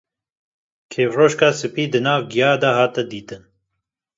kîvroşka spî di nav gîya de hate dîtin